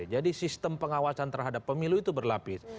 jadi sistem pengawasan terhadap pemilu itu berlapis